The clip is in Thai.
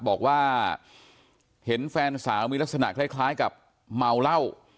บอกว่าเห็นแฟนสาวมีลักษณะคล้ายกับเมาเหล้า